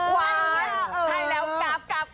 ว้าวใช่แล้วกราบ